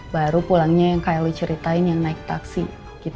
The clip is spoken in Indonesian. baru pulangnya yang kayak lo ceritain yang naik taksi